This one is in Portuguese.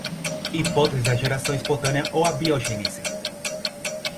Hipótese da geração espontânea ou abiogênese